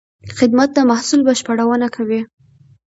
خدمت د محصول بشپړونه کوي.